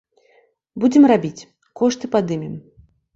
Будзем рабіць, кошты падымем.